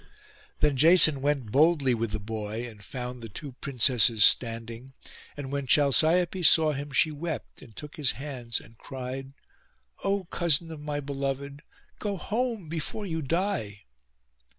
Then Jason went boldly with the boy, and found the two princesses standing; and when Chalciope saw him she wept, and took his hands, and cried—'O cousin of my beloved, go home before you die!